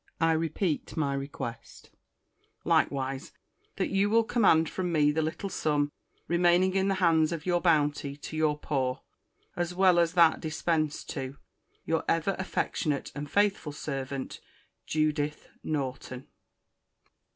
—I repeat my request, likewise, that you will command from me the little sum remaining in the hands of your bounty to your Poor, as well as that dispensed to Your ever affectionate and faithful servant, JUDITH NORTON.